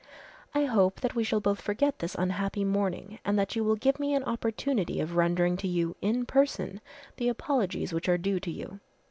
"I hope that we shall both forget this unhappy morning and that you will give me an opportunity of rendering to you in person, the apologies which are due to you.